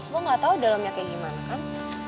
gue gak tau dalamnya kayak gimana kan